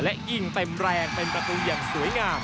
และยิงเต็มแรงเป็นประตูอย่างสวยงาม